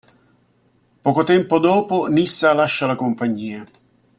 Poco tempo dopo, Nyssa lascia la compagnia.